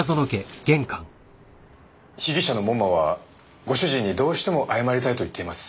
被疑者の門馬はご主人にどうしても謝りたいと言っています。